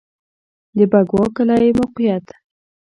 د بکوا کلی موقعیت